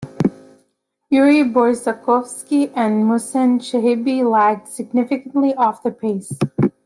Yuriy Borzakovskiy and Mouhssin Chehibi lagged significantly off the pace.